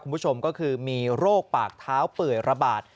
คุณผู้ชมก็คือมีโรคปากเท้าเปื่อยระบาด